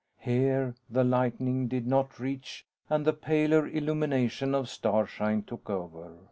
Here, the lighting did not reach and the paler illumination of starshine took over.